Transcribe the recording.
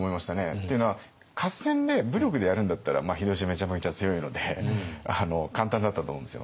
っていうのは合戦で武力でやるんだったら秀吉めちゃめちゃ強いので簡単だったと思うんですよ。